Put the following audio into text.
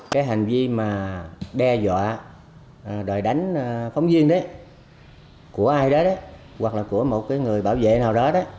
cái hành vi mà đe dọa đòi đánh phóng viên đấy của ai đó đấy hoặc là của một cái người bảo vệ nào đó đó